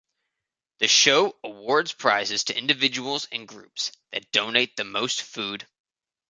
The show awards prizes to individuals and groups that donate the most food.